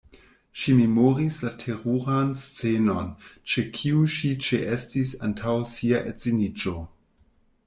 Ŝi memoris la teruran scenon, ĉe kiu ŝi ĉeestis antaŭ sia edziniĝo.